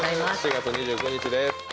４月２９日です